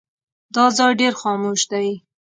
دا ځای ډېر خاموش دی.